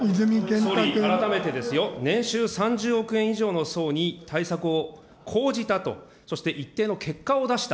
総理、改めてですよ、年収３０億円以上の層に対策を講じたと、そして一定の結果を出した。